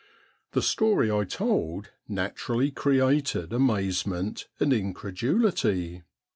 The story I told naturally created amazement and incredulity.